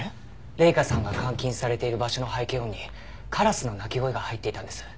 麗華さんが監禁されている場所の背景音にカラスの鳴き声が入っていたんです。